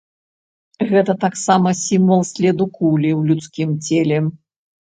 Гэта таксама сімвал следу кулі ў людскім целе.